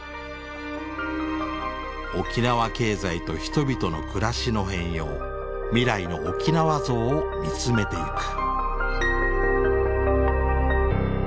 沖縄経済と人々の暮らしの変容未来の沖縄像を見つめていく。